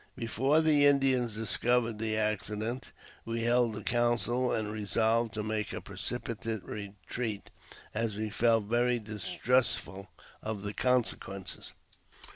Before the Indians discovered the accident, we held a council, and resolved to make a precipitate retreat, as we felt very distrustful of the consequences.